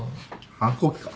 反抗期か。